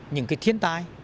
những cái thiến tài